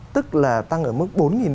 tức là tăng ở mức bốn đồng một lít